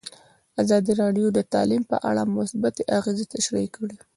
ازادي راډیو د تعلیم په اړه مثبت اغېزې تشریح کړي.